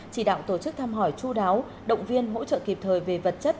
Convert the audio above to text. chỉ đạo tổ chức thăm hỏi chú đáo động viên hỗ trợ kịp thời về vật chất